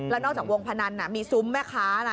แล้วนอกจากวงพนันมีซุ้มแม่ค้านะ